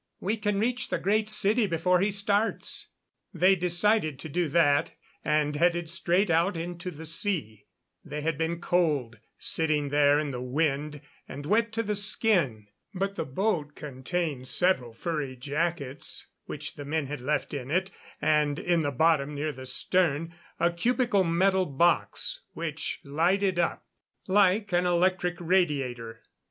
We can reach the Great City before he starts." They decided to do that, and headed straight out into the sea. They had been cold, sitting there in the wind, and wet to the skin. But the boat contained several furry jackets, which the men had left in it, and in the bottom, near the stern, a cubical metal box which lighted up like an electric radiator.